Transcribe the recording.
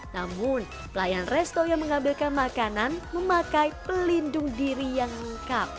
namun pelayan resto yang mengambilkan makanan memakai pelindung diri yang lengkap